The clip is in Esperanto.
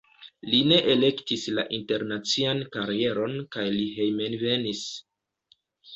Li ne elektis la internacian karieron kaj li hejmenvenis.